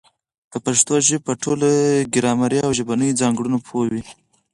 د پښتو ژبي په ټولو ګرامري او ژبنیو ځانګړنو پوه وي.